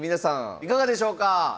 いかがでしょうか？